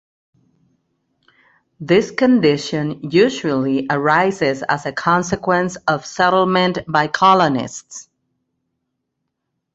This condition usually arises as a consequence of settlement by colonists.